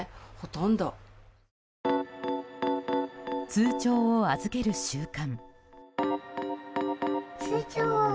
通帳を預ける習慣。